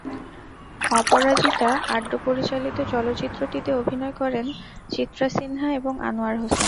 অপরাজিতা আঢ্য পরিচালিত চলচ্চিত্রটিতে অভিনয় করেন চিত্রা সিনহা এবং আনোয়ার হোসেন।